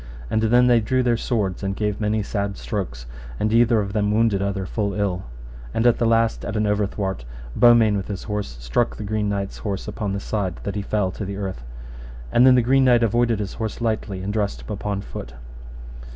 And then they drew their swords, and gave many sad strokes, and either of them wounded other full ill. And at the last, at an overthwart, Beaumains with his horse struck the Green Knight's horse upon the side, that he fell to the earth. And then the Green Knight avoided his horse lightly, and dressed him upon foot.